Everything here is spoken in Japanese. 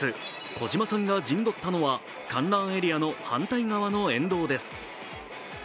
児嶋さんが陣取ったのは、観覧エリアの反対側の沿道です。